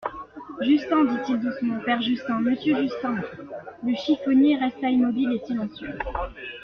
Justin, dit-il doucement, père Justin … monsieur Justin ! Le chiffonnier resta immobile et silencieux.